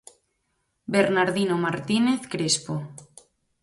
Bernardino Martínez Crespo.